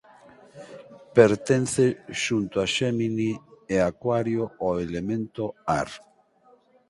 Pertence xunto a Xémini e Acuario ó elemento ar.